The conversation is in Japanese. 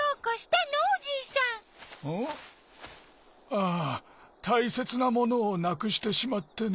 ああたいせつなものをなくしてしまってね。